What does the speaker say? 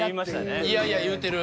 「いやいや」言うてる。